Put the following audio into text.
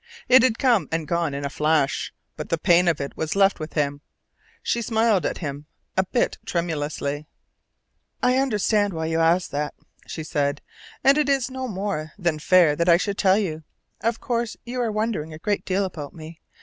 It had come and gone in a flash, but the pain of it was left with him. She smiled at him a bit tremulously. "I understand why you ask that," she said, "and it is no more than fair that I should tell you. Of course you are wondering a great deal about me.